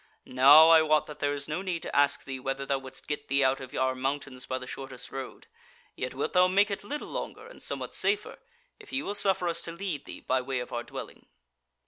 Now I wot that there is no need to ask thee whether thou wouldst get thee out of our mountains by the shortest road, yet wilt thou make it little longer, and somewhat safer, if ye will suffer us to lead thee by way of our dwelling."